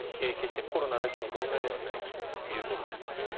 決してコロナだけの問題ではないということです。